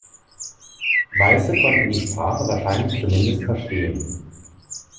Weiße konnten die Sprache wahrscheinlich zumindest verstehen.